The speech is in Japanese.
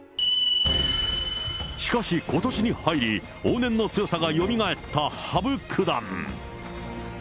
しかしことしに入り、往年の強さがよみがえった羽生九段。